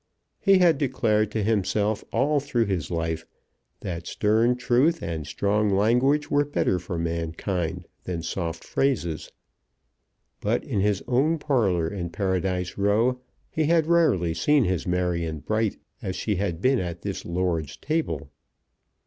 He had declared to himself all through his life that stern truth and strong language were better for mankind than soft phrases. But in his own parlour in Paradise Row he had rarely seen his Marion bright as she had been at this lord's table.